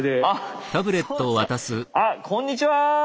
あっこんにちは！